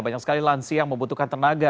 banyak sekali lansia yang membutuhkan tenaga